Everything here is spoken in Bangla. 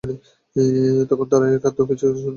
তখন আর কোন খাদ্যই আমাদের কিছু অনিষ্ট করিতে পারিবে না।